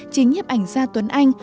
chính hiệp ảnh gia tuấn anh